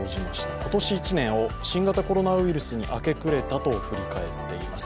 今年１年を新型コロナウイルスに明け暮れたと振り返っています。